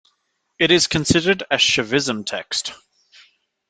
It is considered a Shaivism text.